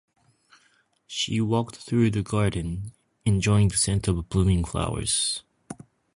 She walked through the garden, enjoying the scent of blooming flowers.